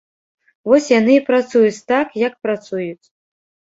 Вось яны і працуюць так, як працуюць.